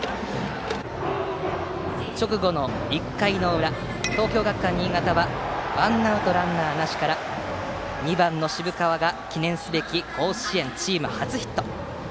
直後の１回の裏東京学館新潟はワンアウトランナーなしから２番の渋川が記念すべき甲子園チーム初ヒット。